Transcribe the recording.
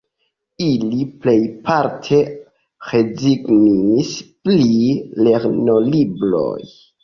Ili plejparte rezignis pri lernolibroj.